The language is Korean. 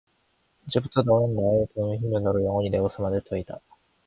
이제부터도 나는 돈의 힘으로 너를 영원히 내것을 만들 터이다.